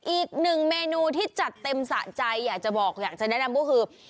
อีกหนึ่งเมนูที่จัดเต็มสะใจอยากจะบอกอยากจะแนะนำก็คือ